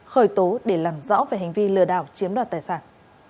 khởi tố để làm rõ về hành vi lừa đảo chiếm đoạt tài sản